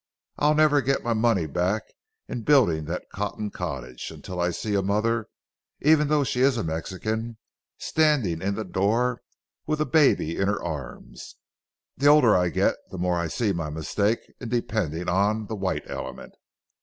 I'll never get my money back in building that Cotton cottage until I see a mother, even though she is a Mexican, standing in the door with a baby in her arms. The older I get, the more I see my mistake in depending on the white element."